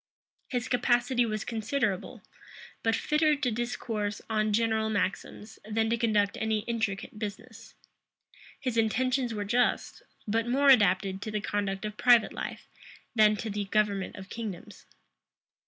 His capacity was considerable; but fitter to discourse on general maxims, than to conduct any intricate business: his intentions were just; but more adapted to the conduct of private life than to the government of kingdoms.